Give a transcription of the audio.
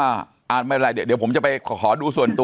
อ่าไม่เป็นไรเดี๋ยวผมจะไปขอดูส่วนตัว